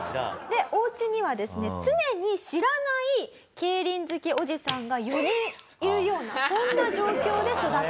でおうちにはですね常に知らない競輪好きおじさんが４人いるようなそんな状況で育った。